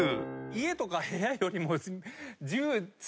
家とか部屋よりも。